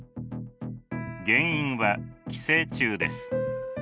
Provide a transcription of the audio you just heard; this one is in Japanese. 原因は寄生虫です。